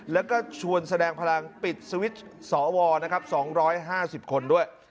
แล้วก็ชวนแสดงพลังปิดสวิตช์สวนะครับ๒๕๐คนด้วย